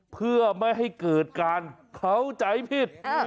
เพื่อไม่ให้เกิดการเข้าใจผิด